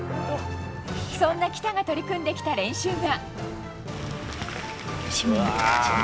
そんな喜田が取り組んできた練習が。